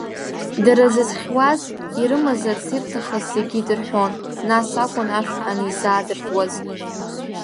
Дара зызхьуаз, ирымазарц ирҭахыз зегьы идырҳәон, нас акәын ашә анизаадыртуаз.